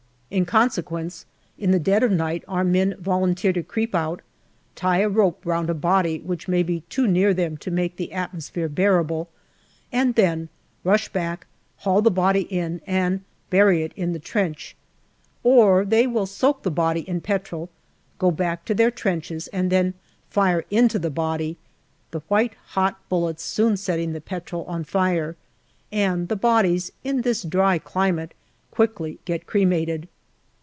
In consequence, in the dead of night our men volunteer to creep out, tie a rope round a body which may be too near them to make the atmosphere bearable, and then rush back, haul the body in, and bury it in the trench, or they will soak the body in petrol, go back to their trenches, then fire into the body the white hot bullets soon setting the petrol on fire, and the bodies in this dry climate quickly get cremated.